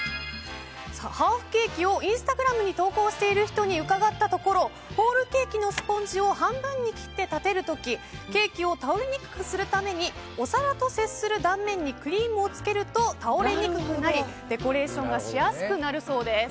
ハーフケーキをインスタグラムに投稿している人に伺ったところホールケーキのスポンジを半分に切ってたてるときにケーキを倒れにくくするためにお皿と接する断面にクリームをつけると倒れにくくなりデコレーションがしやすくなるそうです。